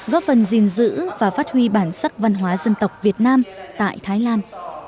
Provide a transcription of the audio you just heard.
góp phần gìn giữ và phát huy bản sắc văn hóa dân tộc việt nam tại thái lan